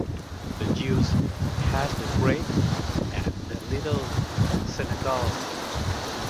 The Jews had the Great and the Little synagogues.